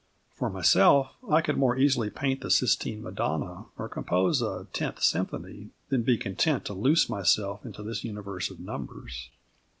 For myself, I could more easily paint the Sistine Madonna or compose a Tenth Symphony than be content to loose myself into this universe of numbers.